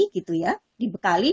gitu ya dibekali